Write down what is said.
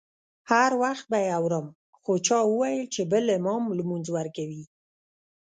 هر وخت به یې اورم خو چا وویل چې بل امام لمونځ ورکوي.